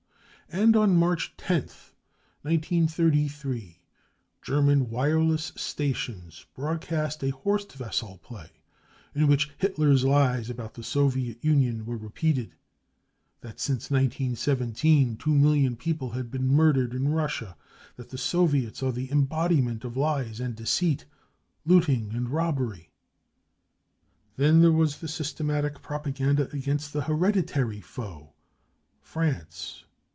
And on March 10th, 1933, German wireless stations broadcast a " Horst Wessel " play in which Hitler's lies about the Soviet Union were repeated : that since 1917 two million people had been murdered in Russia ; that the Soviets are the embodiment of lies and deceit, footing and robbery. } Then there was the systematic propaganda against the I u hereditary foe," France.